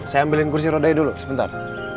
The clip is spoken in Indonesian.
saya ambilin kursi rodai dulu sebentar